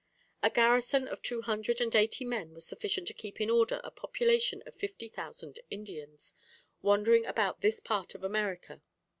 A garrison of two hundred and eighty men was sufficient to keep in order a population of fifty thousand Indians, wandering about this part of America.